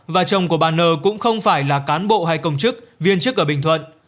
và chồng của bà nờ cũng không phải là cán bộ hay công chức viên chức ở bình thuận